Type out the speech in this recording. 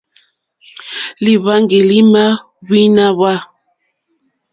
Lîhwáŋgí lì mà wíná hwá.